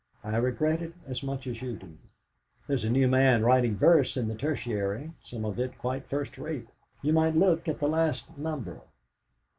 I regret it as much as you do. "There is a new man writing verse in the Tertiary, some of it quite first rate. You might look at the last number.